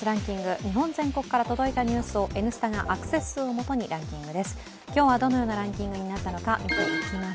日本全国から届いたニュースを「Ｎスタ」がアクセス数を元にランキングです。